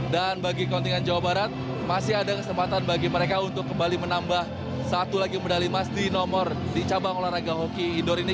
dan bagi kontingen jawa barat masih ada kesempatan bagi mereka untuk kembali menambah satu lagi medali emas di nomor di cabang olahraga hoki indoor ini